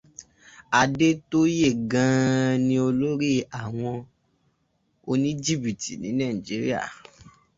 Adétóyè gan-an ni olóri àwọn o ní jìbìtì ní Nàìjíríà.